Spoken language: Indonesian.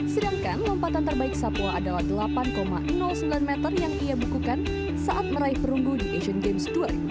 sedangkan lompatan terbaik sapua adalah delapan sembilan meter yang ia bukukan saat meraih perunggu di asian games dua ribu delapan belas